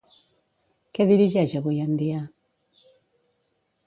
Què dirigeix avui en dia?